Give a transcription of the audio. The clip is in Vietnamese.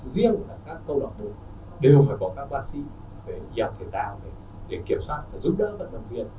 riêng là các câu đọc mục đều phải có các bác sĩ phải hiểu thể tạo để kiểm soát và giúp đỡ vận động viên